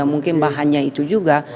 mungkin bahannya itu juga